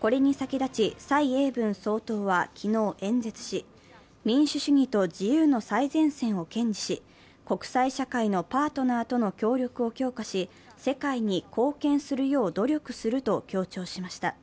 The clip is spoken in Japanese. これに先立ち蔡英文総統は昨日、演説し、民主主義と自由の最前線を堅持し国際社会のパートナーとの協力を強化し世界に貢献するよう努力すると強調しました。